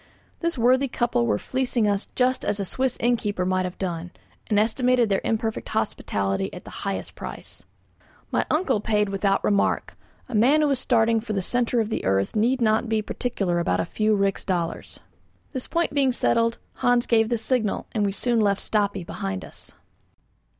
This worthy couple were fleecing us just as a Swiss innkeeper might have done, and estimated their imperfect hospitality at the highest price. My uncle paid without a remark: a man who is starting for the centre of the earth need not be particular about a few rix dollars. This point being settled, Hans gave the signal, and we soon left Stapi behind us.